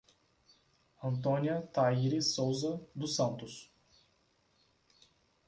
Antônia Tairis Souza dos Santos